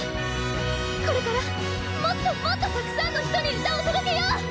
これからもっともっとたくさんの人に歌を届けよう！